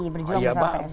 berjuang besar psi